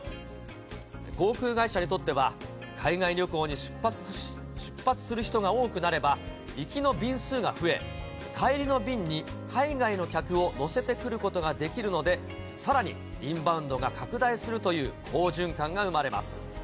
航空会社にとっては、海外旅行に出発する人が多くなれば、行きの便数が増え、帰りの便に海外の客を乗せてくることができるので、さらにインバウンドが拡大するという好循環が生まれます。